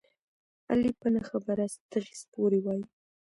علي په نه خبره ستغې سپورې وايي.